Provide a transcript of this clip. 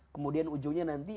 kemudian ujungnya nanti